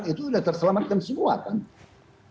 itu sudah terselamatkan semua kan